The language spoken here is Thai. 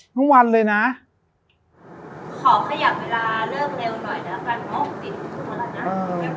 ทั้งวันเลยนะ